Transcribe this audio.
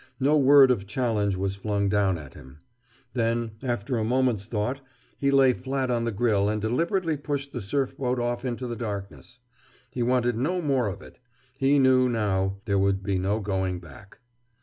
No word or challenge was flung down at him. Then, after a moment's thought, he lay flat on the grill and deliberately pushed the surf boat off into the darkness. He wanted no more of it. He knew, now, there could be no going back.